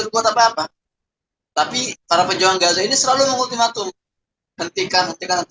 buat apa apa tapi para pejuang gaza ini selalu mengultimatum hentikan hentikan